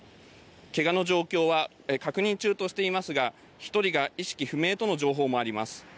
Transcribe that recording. けがの状況は確認中としていますが１人が意識不明との情報もあります。